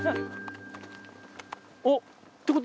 おっ。